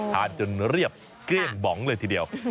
จนเรียบเกลี้ยงบองเลยทีเดียว